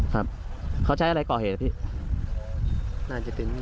ครับเขาใช้อะไรก่อเหนะพี่